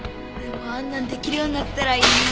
俺もあんなのできるようになったらいいな。